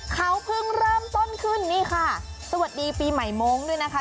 เขาเพิ่งเริ่มต้นขึ้นนี่ค่ะสวัสดีปีใหม่มงค์ด้วยนะคะ